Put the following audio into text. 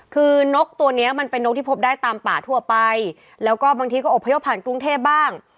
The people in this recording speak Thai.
คือนกตัวเนี้ยมันเป็นนกที่พบได้ตามป่าทั่วไปแล้วก็บางทีก็อบพยพผ่านกรุงเทพบ้าง